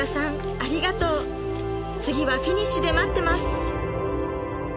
ありがとう次はフィニッシュで待ってます